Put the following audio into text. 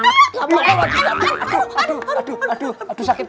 aduh aduh aduh